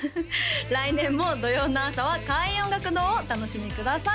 来年も土曜の朝は開運音楽堂をお楽しみください